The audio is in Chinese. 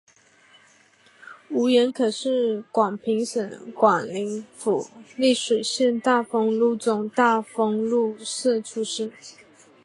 吴廷可是广平省广宁府丽水县大丰禄总大丰禄社出生。